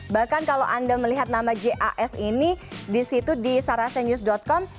bahkan kalau anda melihat nama jas ini disitu di sarasenews com